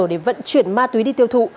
để vận chuyển ma túy đi tiêu thụ